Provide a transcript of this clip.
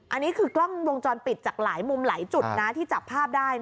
อันนี้คือกล้องวงจรปิดจากหลายมุมหลายจุดนะที่จับภาพได้